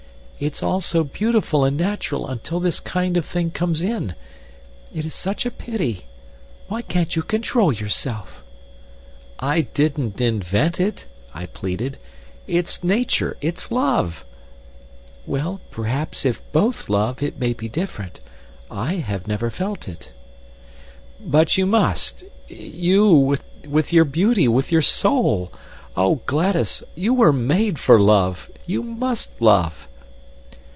"It's all so beautiful and natural until this kind of thing comes in! It is such a pity! Why can't you control yourself?" "I didn't invent it," I pleaded. "It's nature. It's love." "Well, perhaps if both love, it may be different. I have never felt it." "But you must you, with your beauty, with your soul! Oh, Gladys, you were made for love! You must love!"